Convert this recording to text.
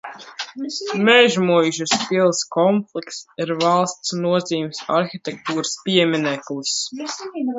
Mežmuižas pils komplekss ir valsts nozīmes arhitektūras piemineklis.